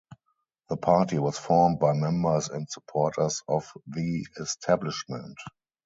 The party was formed by members and supporters of the establishment.